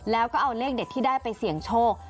แล้วก็เอาเลขเด็ดที่ได้ไปเสี่ยงโชค